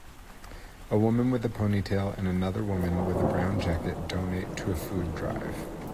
A woman with a ponytail and another woman with a brown jacket donate to a food drive.